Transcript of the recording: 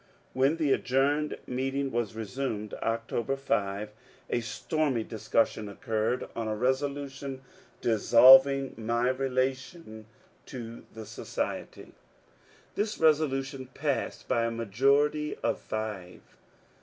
When the adjourned meeting was resumed, October 5, a stormy discussion occurred on a resolution dis solving my relation to the society. This resolution passed by a majority of five.